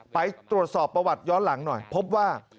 ไปตรวจสอบประวัติย้อนหลังหน่อยพบว่า